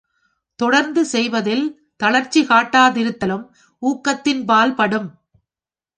தொடர்ந்து செய்வதில் தளர்ச்சி காட்டாதிருத்தலும் ஊக்கத்தின்பால் படும்.